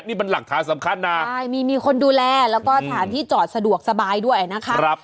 นี่มันหลักฐานสำคัญนะใช่มีคนดูแลแล้วก็สถานที่จอดสะดวกสบายด้วยนะคะ